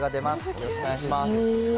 よろしくお願いします。